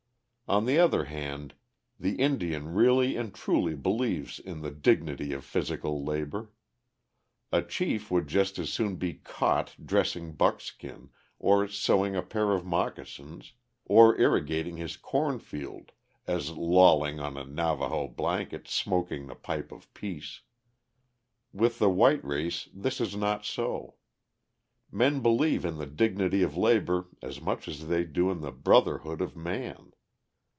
On the other hand, the Indian really and truly believes in the dignity of physical labor. A chief would just as soon be "caught" dressing buckskin, or sewing a pair of moccasins, or irrigating his corn field as lolling on a Navaho blanket "smoking the pipe of peace." With the white race this is not so. Men believe in the dignity of labor as much as they do in the brotherhood of man.